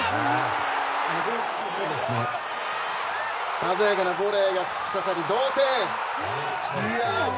鮮やかなボレーが突き刺さり、同点。